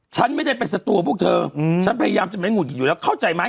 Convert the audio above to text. ฉันไม่ได้เป็นศัตรูพวกเธอฉันพยายามจะไม่หุดหิดอยู่แล้วเข้าใจไหม